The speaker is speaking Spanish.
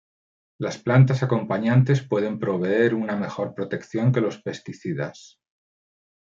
Las plantas acompañantes pueden proveer una mejor protección que los pesticidas.